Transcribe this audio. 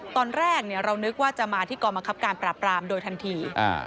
ตอนแรกเรานึกว่าจะมาที่กองบังคับการปราบรามโดยทันที